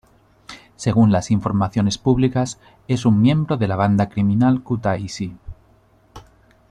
Según las informaciones publicadas, es un miembro de la banda criminal "Kutaisi".